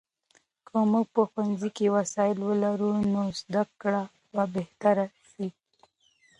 که موږ په ښوونځي کې وسایل ولرو، نو زده کړه به بهتره سي.